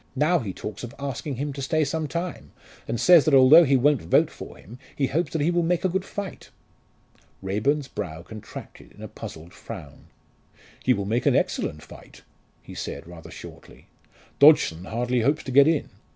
"Now he talks of asking him to stay some time, and says that, although he won't vote for him, he hopes that he will make a good fight." Raeburn's brow contracted in a puzzled frown. "He will make an excellent fight," he said rather shortly. "Dodgson hardly hopes to get in.